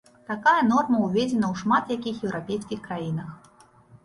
Такая норма ўведзена ў шмат якіх еўрапейскіх краінах.